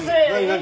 何？